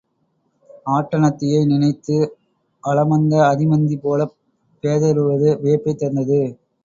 ஆட்டனத்தியை நினைத்து அலமந்த ஆதிமந்தி போலப் பேதுறுவது வியப்பைத் தந்தது.